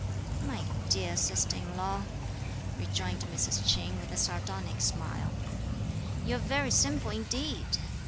"My dear sister in law," rejoined Mrs. Ch'in with a sardonic smile, "you're very simple indeed!